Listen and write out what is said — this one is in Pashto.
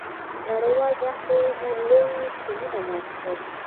نړیوال جام کې مو لوی ټیمونه مات کړل.